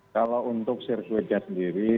kalau untuk sirkuitnya sendiri